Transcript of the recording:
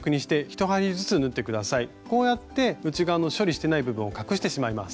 こうやって内側の処理してない部分を隠してしまいます。